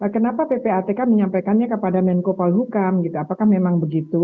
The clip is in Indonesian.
kenapa ppatk menyampaikannya kepada menko palukam apakah memang begitu